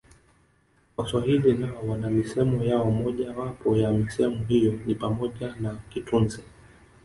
Waswahili nao wana misemo yao Moja wapo ya misemo hiyo ni pamoja na kitunze